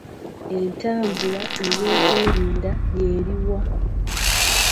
Entambula ey'okwerinda y eri wa?